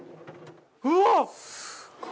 うわっ！